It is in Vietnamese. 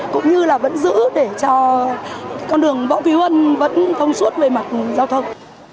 cũng như là vẫn giữ để cho con đường võ cứu huân vẫn thông suốt về mặt giao thông